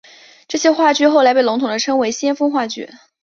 这些话剧后来被笼统地称为先锋话剧。